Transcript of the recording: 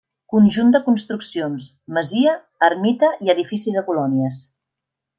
Conjunt de construccions: masia, ermita i edifici de colònies.